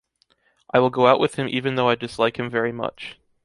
I will go out with him even through I dislike him very much.